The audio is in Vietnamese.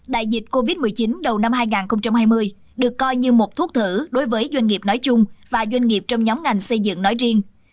đại dịch covid một mươi chín đầu năm hai nghìn hai mươi được coi như một thuốc thử đối với doanh nghiệp nói chung và doanh nghiệp trong nhóm ngành xây dựng nói riêng